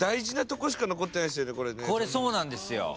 そうなんですよ。